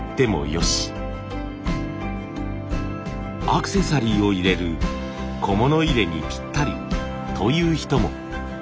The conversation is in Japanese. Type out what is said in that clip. アクセサリーを入れる小物入れにぴったりという人も。